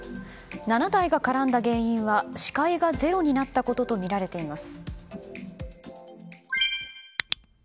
７台が絡んだ原因は視界がゼロになったこととみられています。